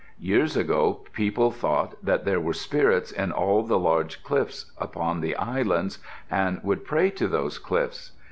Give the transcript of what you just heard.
Years ago people thought that there were spirits in all the large cliffs upon the islands and would pray to those cliffs.